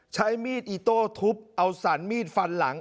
ใช้มีดอิโต้ทุบเอาสรรมีดฟันหลัง